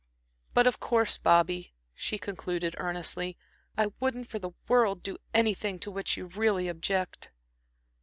But of course Bobby," she concluded, earnestly, "I wouldn't for the world do anything to which you really object."